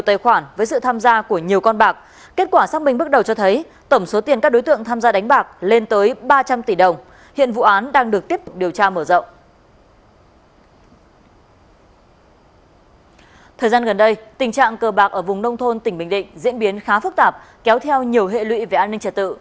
thời gian gần đây tình trạng cờ bạc ở vùng nông thôn tỉnh bình định diễn biến khá phức tạp kéo theo nhiều hệ lụy về an ninh trật tự